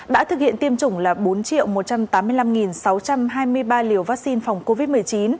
đã thực hiện tiêm chủng là bốn một trăm tám mươi năm sáu trăm hai mươi ba liều vaccine phòng covid một mươi chín